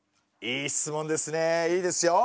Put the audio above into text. いい質問ですねえいいですよ。